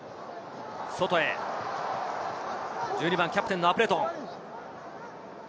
外へ、キャプテンのアプレトン。